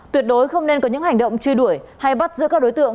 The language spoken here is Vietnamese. tuyệt đối không nên có những hành động truy đuổi hay bắt giữa các đối tượng